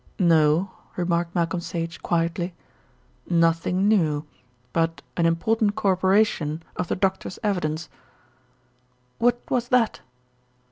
"No," remarked Malcolm Sage quietly, "nothing new; but an important corroboration of the doctor's evidence." "What was that?"